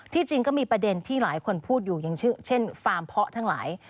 จริงก็มีประเด็นที่หลายคนพูดอยู่อย่างเช่นฟาร์มเพาะทั้งหลาย